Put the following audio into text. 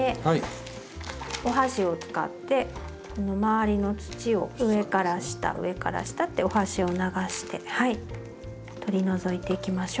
お箸を使ってこの周りの土を上から下上から下ってお箸を流して取り除いていきましょう。